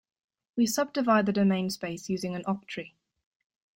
We subdivide the domain space using an octree.